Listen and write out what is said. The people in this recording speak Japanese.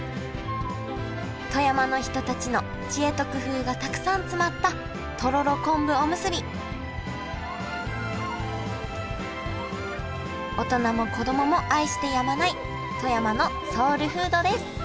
富山の人たちの知恵と工夫がたくさん詰まったとろろ昆布おむすび大人も子供も愛してやまない富山のソウルフードです